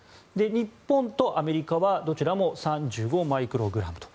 日本とアメリカはどちらも３５マイクログラムと。